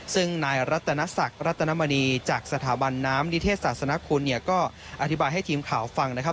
ซึ่งนายรัตนศักดิ์รัตนมณีจากสถาบันน้ำนิเทศศาสนคุณเนี่ยก็อธิบายให้ทีมข่าวฟังนะครับ